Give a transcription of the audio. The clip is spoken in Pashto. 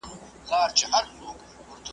عقل په پیسو نه رانیول کېږي